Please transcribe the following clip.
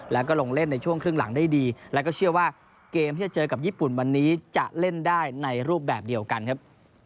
แล้วก็ลงเล่นในช่วงครึ่งหลังได้ดีแล้วก็เชื่อว่าเกมที่จะเจอกับญี่ปุ่นวันนี้จะเล่นได้ในรูปแบบเดียวกันครับ